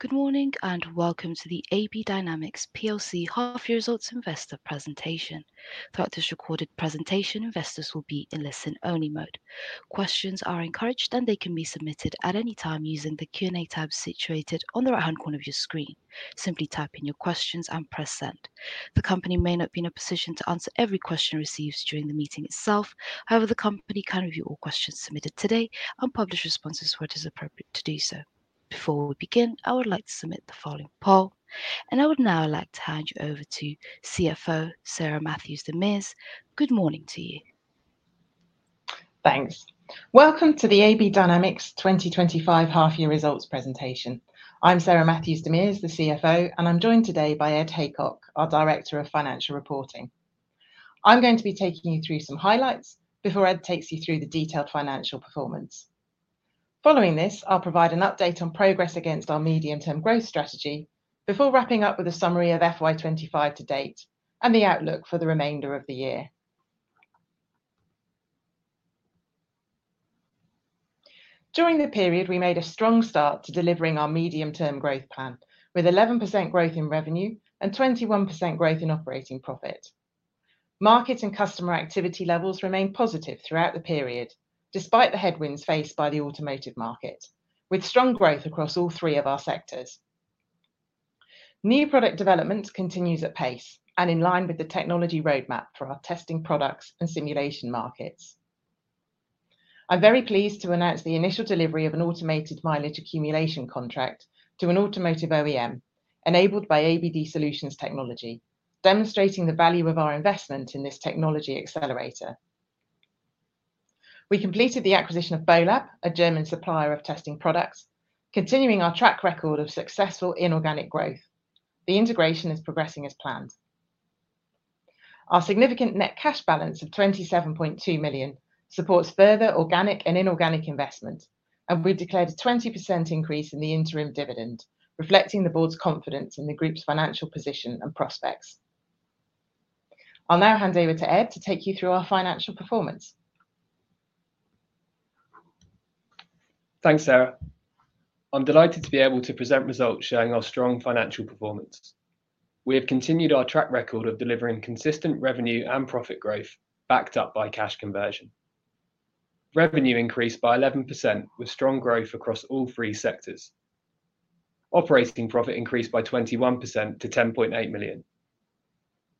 Good morning and welcome to the AB Dynamics Half-Year Results Investor Presentation. Throughout this recorded presentation, investors will be in listen-only mode. Questions are encouraged, and they can be submitted at any time using the Q&A tab situated on the right-hand corner of your screen. Simply type in your questions and press send. The company may not be in a position to answer every question received during the meeting itself. However, the company can review all questions submitted today and publish responses where it is appropriate to do so. Before we begin, I would like to submit the following poll, and I would now like to hand you over to CFO Sarah Matthews-DeMers. Good morning to you. Thanks. Welcome to the AB Dynamics 2025 Half-Year Results Presentation. I'm Sarah Matthews-DeMers, the CFO, and I'm joined today by Ed Haycock, our Director of Financial Reporting. I'm going to be taking you through some highlights before Ed takes you through the detailed financial performance. Following this, I'll provide an update on progress against our medium-term growth strategy before wrapping up with a summary of FY25 to date and the outlook for the remainder of the year. During the period, we made a strong start to delivering our medium-term growth plan, with 11% growth in revenue and 21% growth in operating profit. Market and customer activity levels remained positive throughout the period, despite the headwinds faced by the automotive market, with strong growth across all three of our sectors. New product development continues at pace and in line with the technology roadmap for our testing products and simulation markets. I'm very pleased to announce the initial delivery of an automated mileage accumulation contract to an automotive OEM enabled by ABD Solutions Technology, demonstrating the value of our investment in this technology accelerator. We completed the acquisition of Bolab, a German supplier of testing products, continuing our track record of successful inorganic growth. The integration is progressing as planned. Our significant net cash balance of 27.2 million supports further organic and inorganic investment, and we've declared a 20% increase in the interim dividend, reflecting the board's confidence in the group's financial position and prospects. I'll now hand over to Ed to take you through our financial performance. Thanks, Sarah. I'm delighted to be able to present results showing our strong financial performance. We have continued our track record of delivering consistent revenue and profit growth, backed up by cash conversion. Revenue increased by 11%, with strong growth across all three sectors. Operating profit increased by 21% to 10.8 million.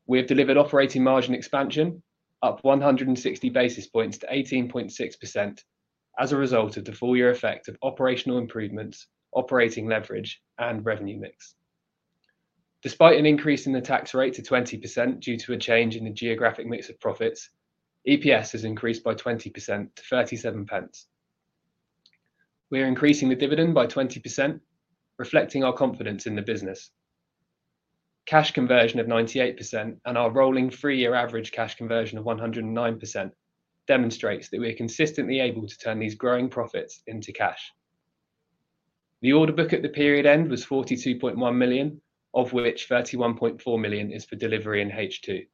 We have delivered operating margin expansion, up 160 basis points to 18.6%, as a result of the four-year effect of operational improvements, operating leverage, and revenue mix. Despite an increase in the tax rate to 20% due to a change in the geographic mix of profits, EPS has increased by 20% to 0.37. We are increasing the dividend by 20%, reflecting our confidence in the business. Cash conversion of 98% and our rolling three-year average cash conversion of 109% demonstrates that we are consistently able to turn these growing profits into cash. The order book at the period end was 42.1 million, of which 31.4 million is for delivery in H2.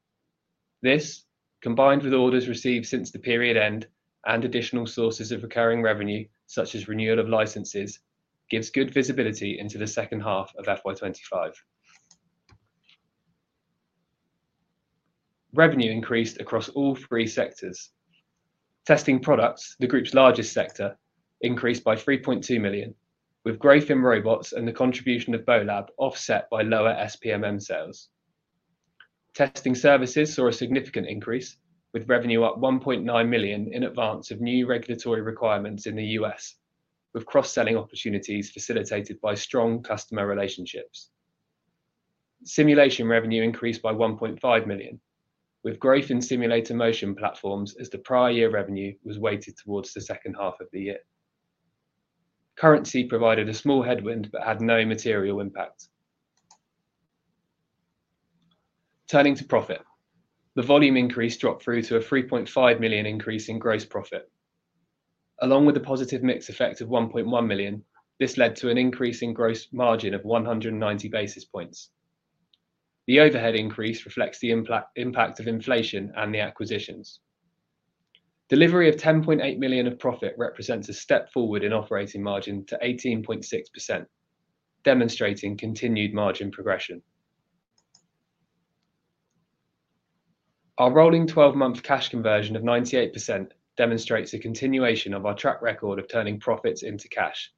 This, combined with orders received since the period end and additional sources of recurring revenue, such as renewal of licenses, gives good visibility into the second half of FY2025. Revenue increased across all three sectors. Testing Products, the group's largest sector, increased by 3.2 million, with growth in robots and the contribution of Bolab offset by lower SPMM sales. Testing Services saw a significant increase, with revenue up 1.9 million in advance of new regulatory requirements in the U.S., with cross-selling opportunities facilitated by strong customer relationships. Simulation revenue increased by 1.5 million, with growth in simulator motion platforms as the prior year revenue was weighted towards the second half of the year. Currency provided a small headwind but had no material impact. Turning to profit, the volume increase dropped through to a 3.5 million increase in gross profit. Along with the positive mix effect of 1.1 million, this led to an increase in gross margin of 190 basis points. The overhead increase reflects the impact of inflation and the acquisitions. Delivery of 10.8 million of profit represents a step forward in operating margin to 18.6%, demonstrating continued margin progression. Our rolling 12-month cash conversion of 98% demonstrates a continuation of our track record of turning profits into cash,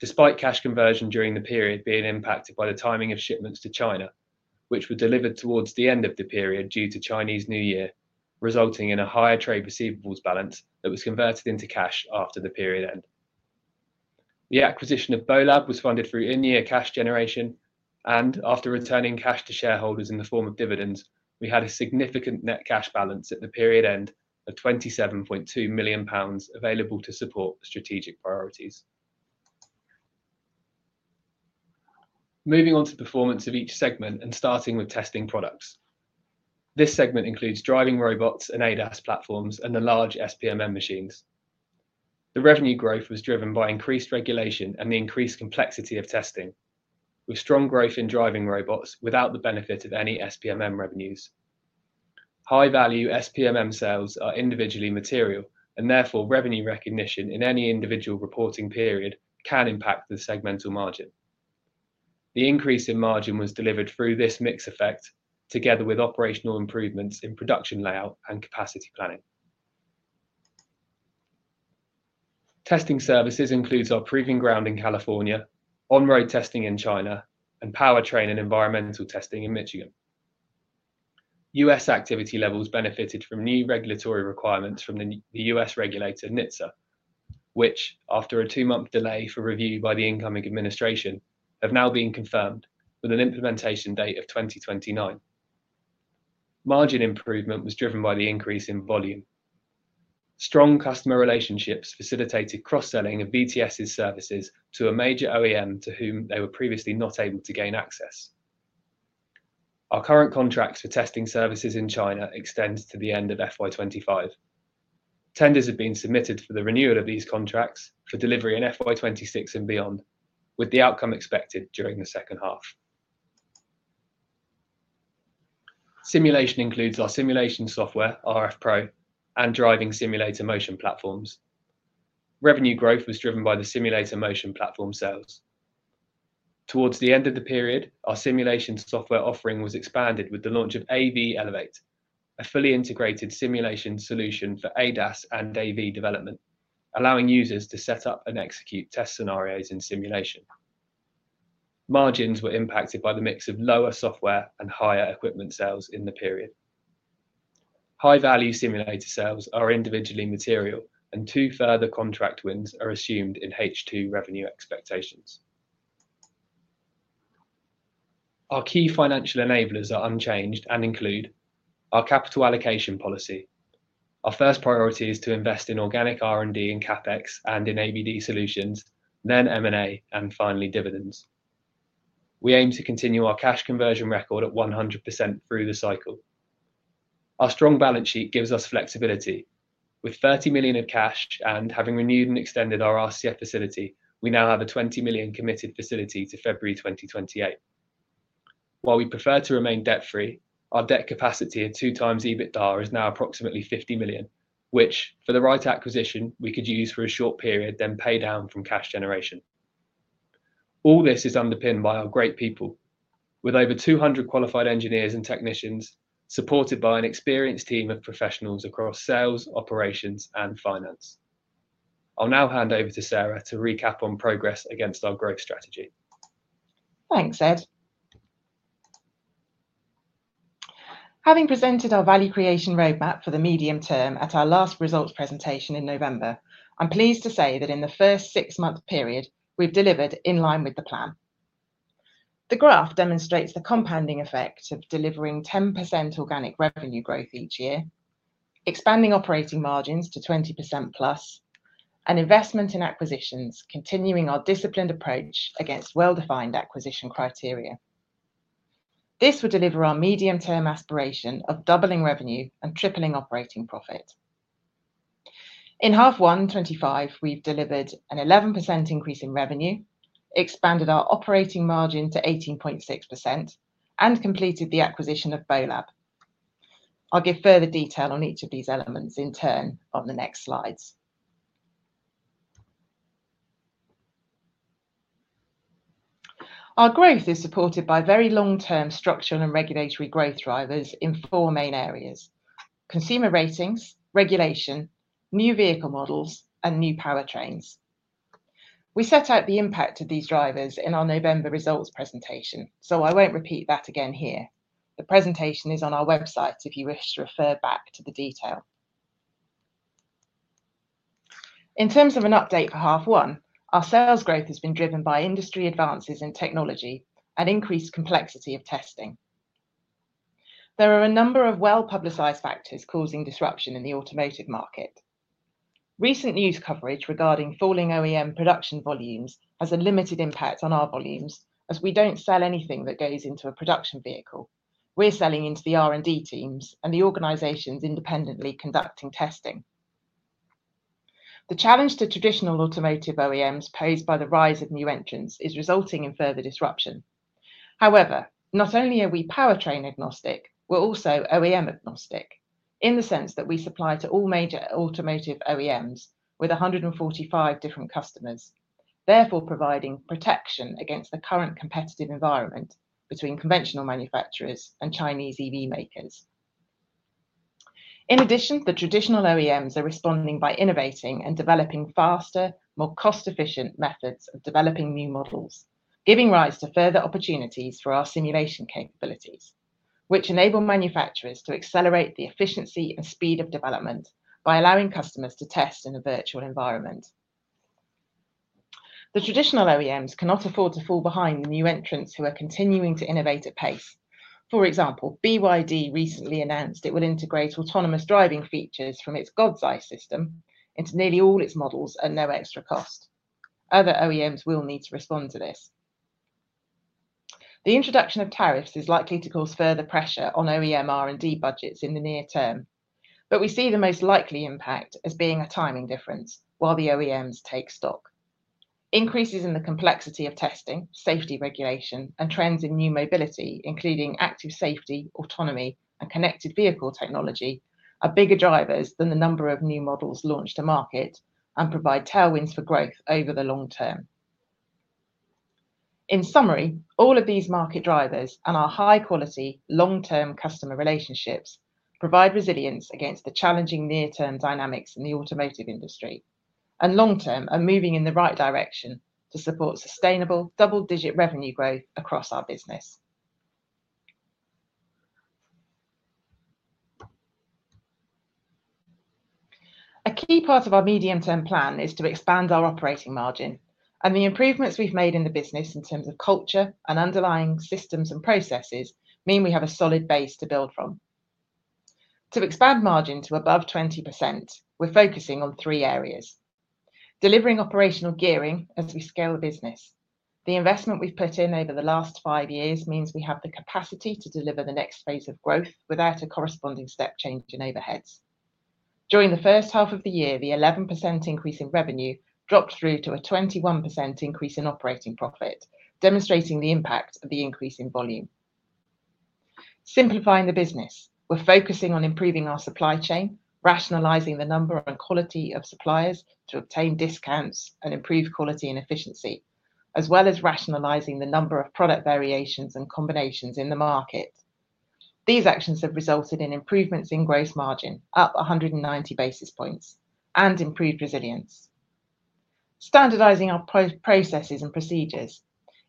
despite cash conversion during the period being impacted by the timing of shipments to China, which were delivered towards the end of the period due to Chinese New Year, resulting in a higher trade receivables balance that was converted into cash after the period end. The acquisition of Bolab was funded through in-year cash generation, and after returning cash to shareholders in the form of dividends, we had a significant net cash balance at the period end of 27.2 million pounds available to support strategic priorities. Moving on to performance of each segment and starting with Testing Products. This segment includes driving robots and ADAS platforms and the large SPMM machines. The revenue growth was driven by increased regulation and the increased complexity of testing, with strong growth in driving robots without the benefit of any SPMM revenues. High-value SPMM sales are individually material, and therefore revenue recognition in any individual reporting period can impact the segmental margin. The increase in margin was delivered through this mix effect, together with operational improvements in production layout and capacity planning. Testing services include our proving ground in California, on-road testing in China, and powertrain and environmental testing in Michigan. U.S. activity levels benefited from new regulatory requirements from the U.S. regulator NHTSA, which, after a two-month delay for review by the incoming administration, have now been confirmed with an implementation date of 2029. Margin improvement was driven by the increase in volume. Strong customer relationships facilitated cross-selling of VTS's services to a major OEM to whom they were previously not able to gain access. Our current contracts for testing services in China extend to the end of FY25. Tenders have been submitted for the renewal of these contracts for delivery in FY26 and beyond, with the outcome expected during the second half. Simulation includes our simulation software, rFpro, and driving simulator motion platforms. Revenue growth was driven by the simulator motion platform sales. Towards the end of the period, our simulation software offering was expanded with the launch of AV Elevate, a fully integrated simulation solution for ADAS and AV development, allowing users to set up and execute test scenarios in simulation. Margins were impacted by the mix of lower software and higher equipment sales in the period. High-value simulator sales are individually material, and two further contract wins are assumed in H2 revenue expectations. Our key financial enablers are unchanged and include our capital allocation policy. Our first priority is to invest in organic R&D and CapEx and in ABD Solutions, then M&A, and finally dividends. We aim to continue our cash conversion record at 100% through the cycle. Our strong balance sheet gives us flexibility. With 30 million of cash and having renewed and extended our RCF facility, we now have a 20 million committed facility to February 2028. While we prefer to remain debt-free, our debt capacity at two times EBITDA is now approximately 50 million, which, for the right acquisition, we could use for a short period, then pay down from cash generation. All this is underpinned by our great people, with over 200 qualified engineers and technicians supported by an experienced team of professionals across sales, operations, and finance. I'll now hand over to Sarah to recap on progress against our growth strategy. Thanks, Ed. Having presented our value creation roadmap for the medium term at our last results presentation in November, I'm pleased to say that in the first six-month period, we've delivered in line with the plan. The graph demonstrates the compounding effect of delivering 10% organic revenue growth each year, expanding operating margins to 20% plus, and investment in acquisitions, continuing our disciplined approach against well-defined acquisition criteria. This would deliver our medium-term aspiration of doubling revenue and tripling operating profit. In half one 2025, we've delivered an 11% increase in revenue, expanded our operating margin to 18.6%, and completed the acquisition of Bolab. I'll give further detail on each of these elements in turn on the next slides. Our growth is supported by very long-term structural and regulatory growth drivers in four main areas: consumer ratings, regulation, new vehicle models, and new powertrains. We set out the impact of these drivers in our November results presentation, so I won't repeat that again here. The presentation is on our website, if you wish to refer back to the detail. In terms of an update for half one, our sales growth has been driven by industry advances in technology and increased complexity of testing. There are a number of well-publicized factors causing disruption in the automotive market. Recent news coverage regarding falling OEM production volumes has a limited impact on our volumes, as we don't sell anything that goes into a production vehicle. We're selling into the R&D teams and the organizations independently conducting testing. The challenge to traditional automotive OEMs posed by the rise of new entrants is resulting in further disruption. However, not only are we powertrain agnostic, we're also OEM agnostic in the sense that we supply to all major automotive OEMs with 145 different customers, therefore providing protection against the current competitive environment between conventional manufacturers and Chinese EV makers. In addition, the traditional OEMs are responding by innovating and developing faster, more cost-efficient methods of developing new models, giving rise to further opportunities for our simulation capabilities, which enable manufacturers to accelerate the efficiency and speed of development by allowing customers to test in a virtual environment. The traditional OEMs cannot afford to fall behind the new entrants who are continuing to innovate at pace. For example, BYD recently announced it will integrate autonomous driving features from its God's Eye system into nearly all its models at no extra cost. Other OEMs will need to respond to this. The introduction of tariffs is likely to cause further pressure on OEM R&D budgets in the near term, but we see the most likely impact as being a timing difference while the OEMs take stock. Increases in the complexity of testing, safety regulation, and trends in new mobility, including active safety, autonomy, and connected vehicle technology, are bigger drivers than the number of new models launched to market and provide tailwinds for growth over the long term. In summary, all of these market drivers and our high-quality, long-term customer relationships provide resilience against the challenging near-term dynamics in the automotive industry, and long-term, are moving in the right direction to support sustainable double-digit revenue growth across our business. A key part of our medium-term plan is to expand our operating margin, and the improvements we've made in the business in terms of culture and underlying systems and processes mean we have a solid base to build from. To expand margin to above 20%, we're focusing on three areas: delivering operational gearing as we scale the business. The investment we've put in over the last five years means we have the capacity to deliver the next phase of growth without a corresponding step change in overheads. During the first half of the year, the 11% increase in revenue dropped through to a 21% increase in operating profit, demonstrating the impact of the increase in volume. Simplifying the business, we're focusing on improving our supply chain, rationalizing the number and quality of suppliers to obtain discounts and improve quality and efficiency, as well as rationalizing the number of product variations and combinations in the market. These actions have resulted in improvements in gross margin, up 190 basis points, and improved resilience. Standardizing our processes and procedures.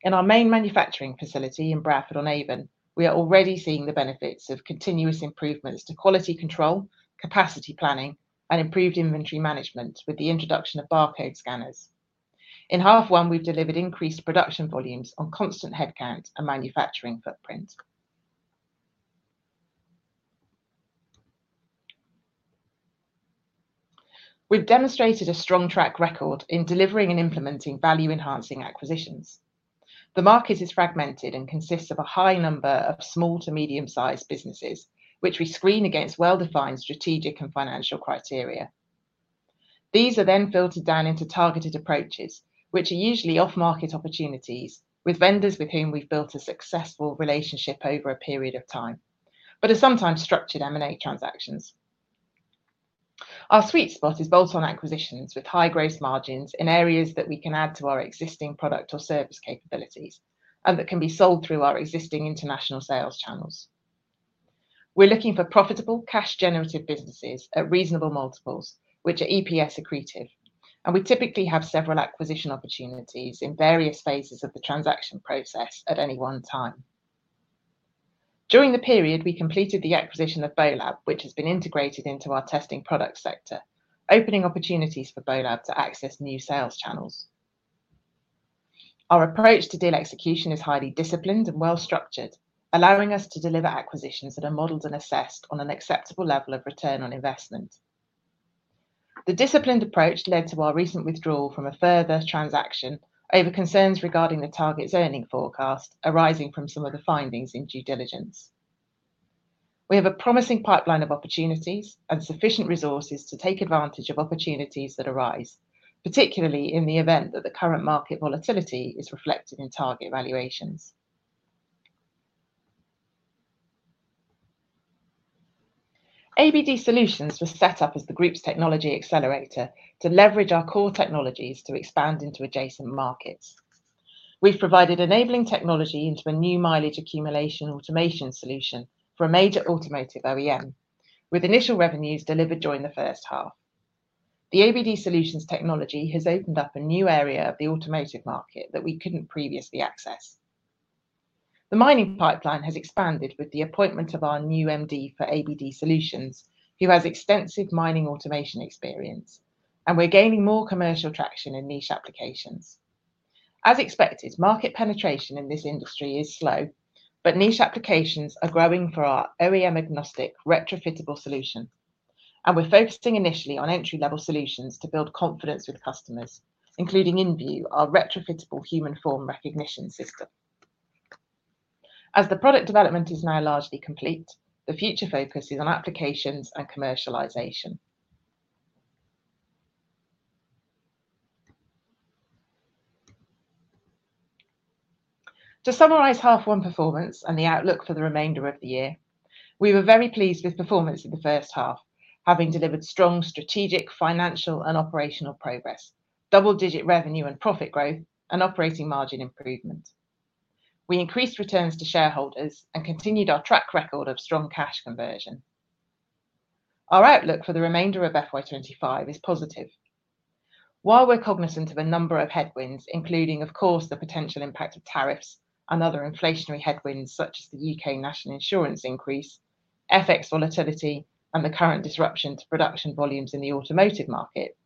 In our main manufacturing facility in Bradford on Avon, we are already seeing the benefits of continuous improvements to quality control, capacity planning, and improved inventory management with the introduction of barcode scanners. In half one, we've delivered increased production volumes on constant headcount and manufacturing footprint. We've demonstrated a strong track record in delivering and implementing value-enhancing acquisitions. The market is fragmented and consists of a high number of small to medium-sized businesses, which we screen against well-defined strategic and financial criteria. These are then filtered down into targeted approaches, which are usually off-market opportunities with vendors with whom we've built a successful relationship over a period of time, but are sometimes structured M&A transactions. Our sweet spot is bolt-on acquisitions with high gross margins in areas that we can add to our existing product or service capabilities and that can be sold through our existing international sales channels. We're looking for profitable cash-generative businesses at reasonable multiples, which are EPS accretive, and we typically have several acquisition opportunities in various phases of the transaction process at any one time. During the period, we completed the acquisition of Bolab, which has been integrated into our testing product sector, opening opportunities for Bolab to access new sales channels. Our approach to deal execution is highly disciplined and well-structured, allowing us to deliver acquisitions that are modeled and assessed on an acceptable level of return on investment. The disciplined approach led to our recent withdrawal from a further transaction over concerns regarding the target's earning forecast arising from some of the findings in due diligence. We have a promising pipeline of opportunities and sufficient resources to take advantage of opportunities that arise, particularly in the event that the current market volatility is reflected in target valuations. ABD Solutions was set up as the group's technology accelerator to leverage our core technologies to expand into adjacent markets. We've provided enabling technology into a new mileage accumulation automation solution for a major automotive OEM, with initial revenues delivered during the first half. The ABD Solutions technology has opened up a new area of the automotive market that we couldn't previously access. The mining pipeline has expanded with the appointment of our new MD for ABD Solutions, who has extensive mining automation experience, and we're gaining more commercial traction in niche applications. As expected, market penetration in this industry is slow, but niche applications are growing for our OEM-agnostic retrofittable solution, and we're focusing initially on entry-level solutions to build confidence with customers, including in view our retrofittable human form recognition system. As the product development is now largely complete, the future focus is on applications and commercialization. To summarize half one performance and the outlook for the remainder of the year, we were very pleased with performance in the first half, having delivered strong strategic, financial, and operational progress, double-digit revenue and profit growth, and operating margin improvement. We increased returns to shareholders and continued our track record of strong cash conversion. Our outlook for the remainder of FY2025 is positive. While we're cognizant of a number of headwinds, including, of course, the potential impact of tariffs and other inflationary headwinds such as the U.K. National Insurance increase, FX volatility, and the current disruption to production volumes in the automotive market,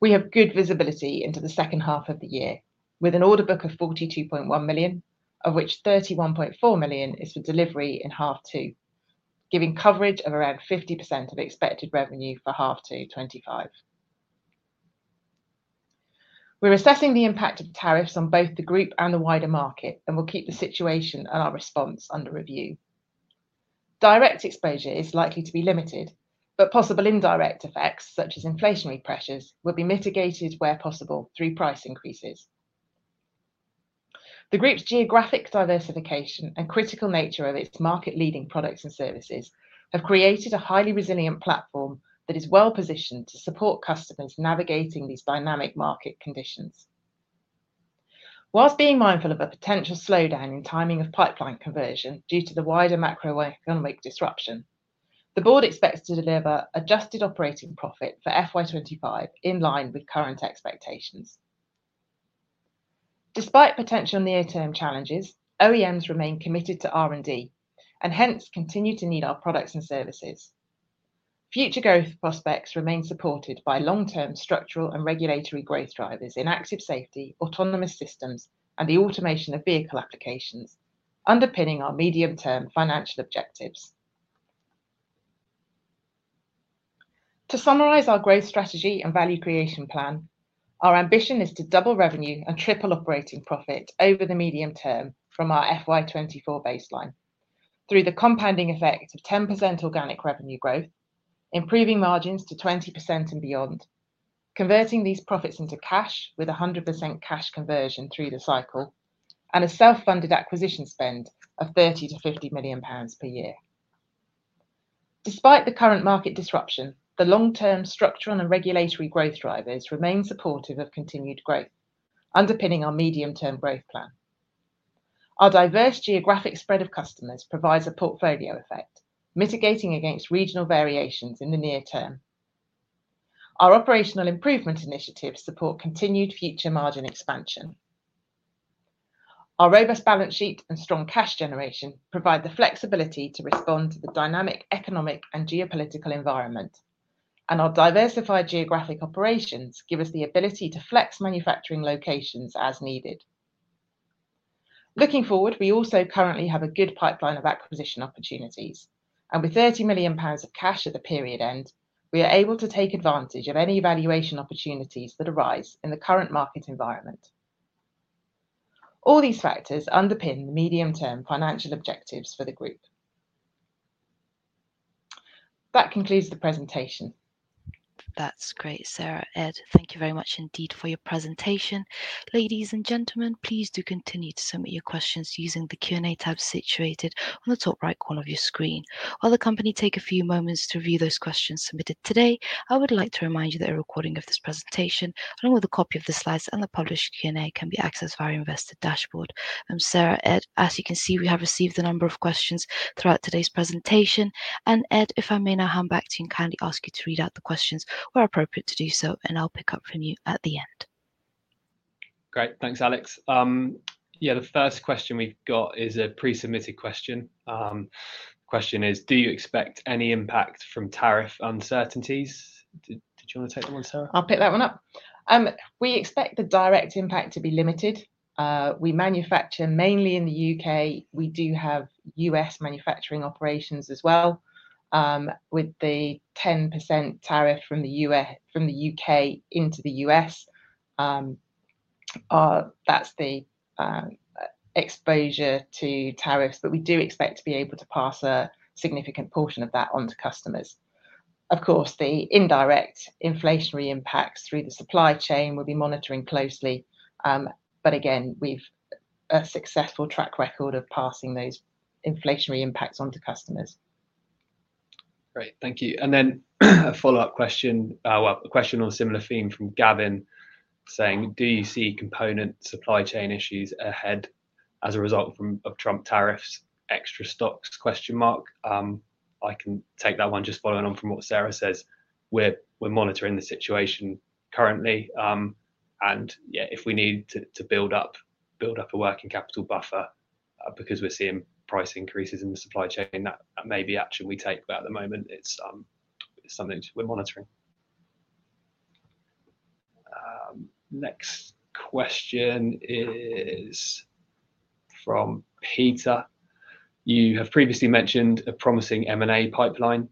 we have good visibility into the second half of the year, with an order book of 42.1 million, of which 31.4 million is for delivery in half two, giving coverage of around 50% of expected revenue for Half Two 2025. We're assessing the impact of tariffs on both the group and the wider market, and we'll keep the situation and our response under review. Direct exposure is likely to be limited, but possible indirect effects such as inflationary pressures will be mitigated where possible through price increases. The Group's geographic diversification and critical nature of its market-leading products and services have created a highly resilient platform that is well-positioned to support customers navigating these dynamic market conditions. Whilst being mindful of a potential slowdown in timing of pipeline conversion due to the wider macroeconomic disruption, the Board expects to deliver adjusted operating profit for FY2025 in line with current expectations. Despite potential near-term challenges, OEMs remain committed to R&D and hence continue to need our products and services. Future growth prospects remain supported by long-term structural and regulatory growth drivers in active safety, autonomous systems, and the automation of vehicle applications, underpinning our medium-term financial objectives. To summarize our growth strategy and value creation plan, our ambition is to double revenue and triple operating profit over the medium term from our FY2024 baseline through the compounding effect of 10% organic revenue growth, improving margins to 20% and beyond, converting these profits into cash with 100% cash conversion through the cycle, and a self-funded acquisition spend of 30 million-50 million pounds per year. Despite the current market disruption, the long-term structural and regulatory growth drivers remain supportive of continued growth, underpinning our medium-term growth plan. Our diverse geographic spread of customers provides a portfolio effect, mitigating against regional variations in the near term. Our operational improvement initiatives support continued future margin expansion. Our robust balance sheet and strong cash generation provide the flexibility to respond to the dynamic economic and geopolitical environment, and our diversified geographic operations give us the ability to flex manufacturing locations as needed. Looking forward, we also currently have a good pipeline of acquisition opportunities, and with 30 million pounds of cash at the period end, we are able to take advantage of any valuation opportunities that arise in the current market environment. All these factors underpin the medium-term financial objectives for the Group. That concludes the presentation. That's great, Sarah. Ed, thank you very much indeed for your presentation. Ladies and gentlemen, please do continue to submit your questions using the Q&A tab situated on the top right corner of your screen. While the company takes a few moments to review those questions submitted today, I would like to remind you that a recording of this presentation, along with a copy of the slides and the published Q&A, can be accessed via our investor dashboard. Sarah, Ed, as you can see, we have received a number of questions throughout today's presentation. Ed, if I may now hand back to you and kindly ask you to read out the questions where appropriate to do so, and I'll pick up from you at the end. Great, thanks, Alex. Yeah, the first question we've got is a pre-submitted question. The question is, do you expect any impact from tariff uncertainties? Did you want to take that one, Sarah? I'll pick that one up. We expect the direct impact to be limited. We manufacture mainly in the U.K. We do have U.S. manufacturing operations as well, with the 10% tariff from the U.K. into the U.S. That's the exposure to tariffs, but we do expect to be able to pass a significant portion of that onto customers. Of course, the indirect inflationary impacts through the supply chain will be monitoring closely, but again, we've a successful track record of passing those inflationary impacts onto customers. Great, thank you. A follow-up question, a question on a similar theme from Gavin saying, do you see component supply chain issues ahead as a result of Trump tariffs? Extra stocks? I can take that one just following on from what Sarah says. We're monitoring the situation currently, and yeah, if we need to build up a working capital buffer because we're seeing price increases in the supply chain, that may be an action we take, but at the moment, it's something we're monitoring. The next question is from Peter. You have previously mentioned a promising M&A pipeline.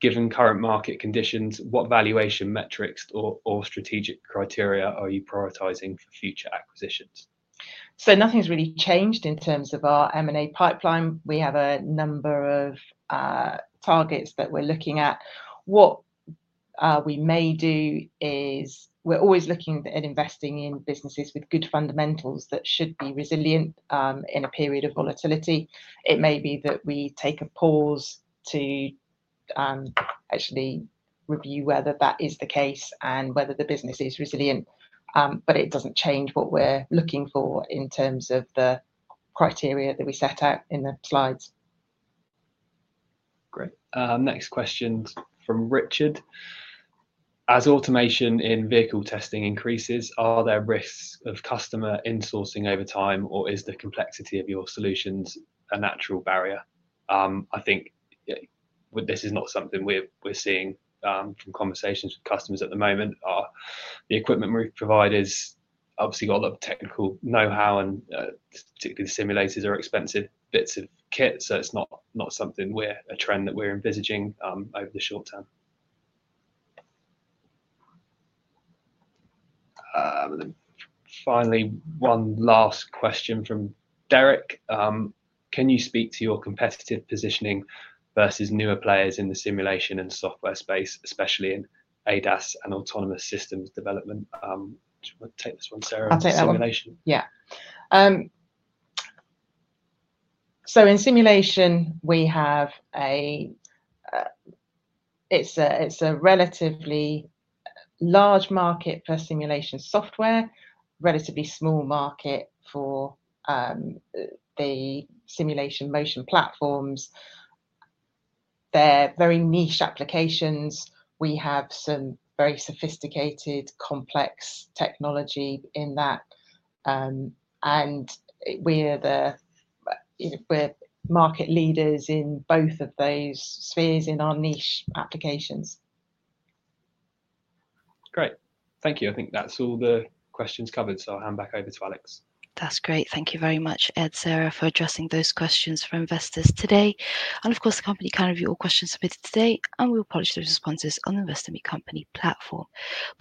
Given current market conditions, what valuation metrics or strategic criteria are you prioritizing for future acquisitions? Nothing's really changed in terms of our M&A pipeline. We have a number of targets that we're looking at. What we may do is we're always looking at investing in businesses with good fundamentals that should be resilient in a period of volatility. It may be that we take a pause to actually review whether that is the case and whether the business is resilient, but it does not change what we are looking for in terms of the criteria that we set out in the slides. Great. Next question from Richard. As automation in vehicle testing increases, are there risks of customer insourcing over time, or is the complexity of your solutions a natural barrier? I think this is not something we are seeing from conversations with customers at the moment. The equipment providers obviously have a lot of technical know-how, and particularly the simulators are expensive bits of kit, so it is not something we are a trend that we are envisaging over the short term. Finally, one last question from Derek. Can you speak to your competitive positioning versus newer players in the simulation and software space, especially in ADAS and autonomous systems development? I'll take this one, Sarah, about simulation. Yeah. In simulation, we have a—it's a relatively large market for simulation software, a relatively small market for the simulation motion platforms. They're very niche applications. We have some very sophisticated, complex technology in that, and we're market leaders in both of those spheres in our niche applications. Great. Thank you. I think that's all the questions covered, so I'll hand back over to Alex. That's great. Thank you very much, Ed, Sarah, for addressing those questions for investors today. Of course, the company can review all questions submitted today and will publish those responses on the Investor Meet Company platform.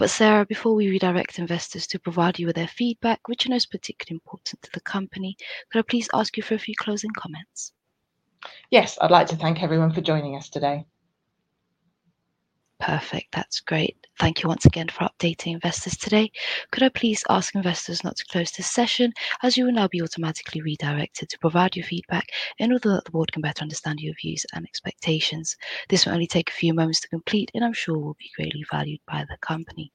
Sarah, before we redirect investors to provide you with their feedback, which are most particularly important to the company, could I please ask you for a few closing comments? Yes, I'd like to thank everyone for joining us today. Perfect. That's great. Thank you once again for updating investors today. Could I please ask investors not to close this session, as you will now be automatically redirected to provide your feedback in order that the Board can better understand your views and expectations? This will only take a few moments to complete, and I'm sure will be greatly valued by the company.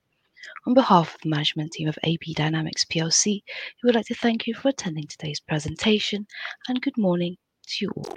On behalf of the management team of AB Dynamics, we would like to thank you for attending today's presentation, and good morning to you all.